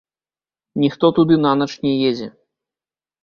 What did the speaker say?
Ніхто туды нанач не едзе.